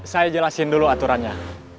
saya jelaskan dulu aturannya